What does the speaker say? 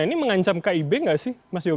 ini mengancam kib nggak sih mas yoga